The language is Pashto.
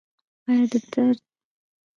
ایا د درد ستنه مو لګولې ده؟